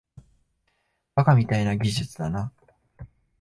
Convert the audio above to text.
バカみたいな技術だな